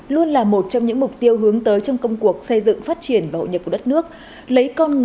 luôn là một trong những mục tiêu hướng tới trong công cuộc xây dựng phát triển và hội nhập của đất nước